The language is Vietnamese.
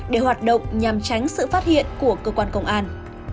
để hoạt động nhằm tránh sự phát hiện của cơ quan công an